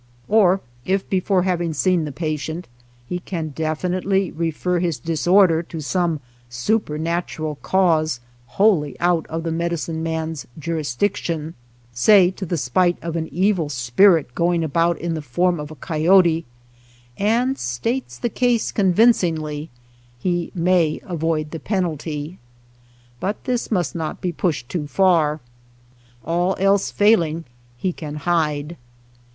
Or, if before having seen the patient, he can definitely refer his disorder to some supernatural cause wholly out of the medi cine man's jurisdiction, say to the spite of an evil spirit going about in the form of a coyote, and states the case convincingly, he may avoid the penalty. But this must not be pushed too far. All else failing, he can hide.